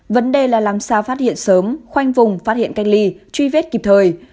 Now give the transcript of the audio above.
vấn đề là làm sao phát hiện sớm khoanh vùng phát hiện cách ly truy vết kịp thời